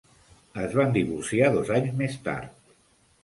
Es van divorciar dos anys més tard.